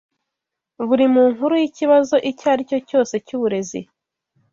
buri mu nkuru y’ikibazo icyo ari cyo cyose cy’uburezi